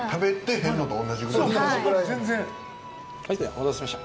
お待たせしました。